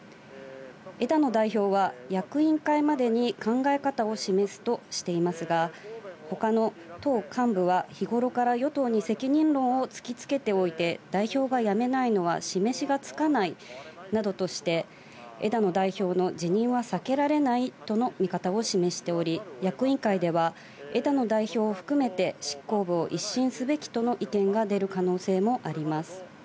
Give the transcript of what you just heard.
枝野代表は役員会までに考え方を示すとしていますが、他の党幹部は日頃から与党に責任論を突きつけておいて、代表が辞めないのは示しがつかないなどとして枝野代表の辞任は避けられないとの見方を示しており、役員会では、枝野代表を含めて執行部を一新すべきとの意見が出る可能性もあります。